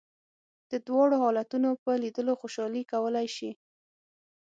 د دواړو حالتونو په لیدلو خوشالي کولای شې.